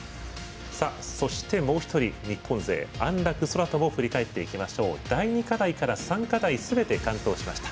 そしてもう１人日本勢、安楽宙斗も振り返っていきましょう第２課題から第３課題すべて完登しました。